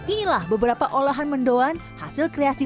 inilah beberapa olahan mendoan hasil kreasi